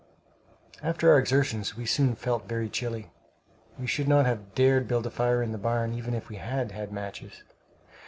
After our exertions we soon felt very chilly. We should not have dared build a fire in the barn, even if we had had matches.